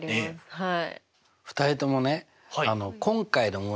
はい。